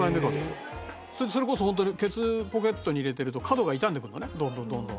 それこそホントにケツポケットに入れてると角が傷んでくるのねどんどんどんどん。